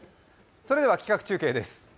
それでは企画中継です。